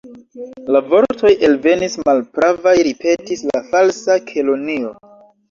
"La vortoj elvenis malpravaj," ripetis la Falsa Kelonio.